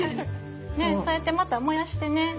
そうやってまた燃やしてね